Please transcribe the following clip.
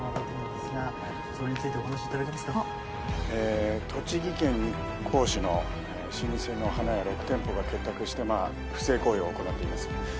え栃木県日光市の老舗の花屋６店舗が結託して不正行為を行っています。